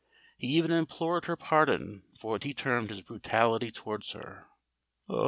He even implored her pardon for what he termed his brutality towards her. "Oh!